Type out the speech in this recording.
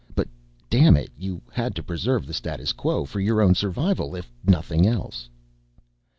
But damn it, you had to preserve the status quo, for your own survival if nothing else.